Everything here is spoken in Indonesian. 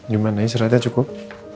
gimana isra ada cukup